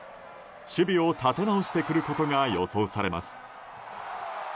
守備を立て直してくることが予想されます。